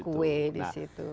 kue di situ